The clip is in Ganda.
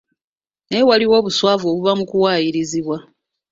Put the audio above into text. Naye waliwo obuswavu obuva mu kuwayirizibwa